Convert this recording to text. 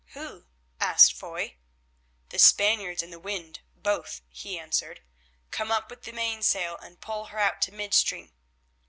"Who?" asked Foy. "The Spaniards and the wind—both," he answered. "Come, up with the mainsail and pole her out to midstream."